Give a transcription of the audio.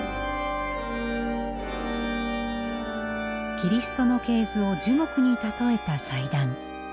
キリストの系図を樹木に例えた祭壇。